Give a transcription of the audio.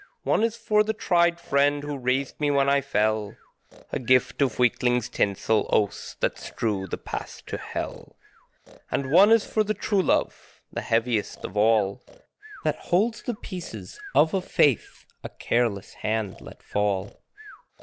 One is for the tried friend who raised me when I fell A gift of weakling's tinsel oaths that strew the path to hell. And one is for the true love the heaviest of all That holds the pieces of a faith a careless hand let fall.